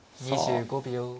２５秒。